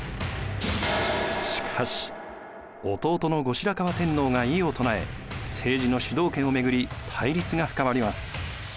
しかし弟の後白河天皇が異を唱え政治の主導権を巡り対立が深まります。